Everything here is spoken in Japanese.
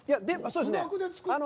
そうですね。